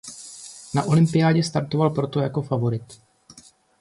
Na olympiádě startoval proto jako favorit.